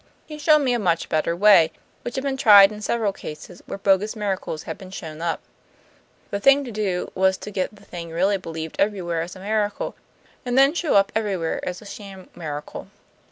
He showed me a much better way, which had been tried in several cases where bogus miracles had been shown up. The thing to do was to get the thing really believed everywhere as a miracle, and then shown up everywhere as a sham miracle.